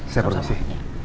saya perlu sih